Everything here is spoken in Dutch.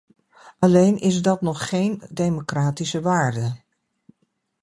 Alleen is dat nog geen democratische waarde.